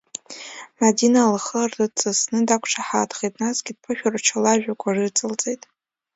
Мадина лхы рҵысны дақәшаҳаҭхеит, насгьы дԥышәырччо лажәақәа ирыцылҵеит.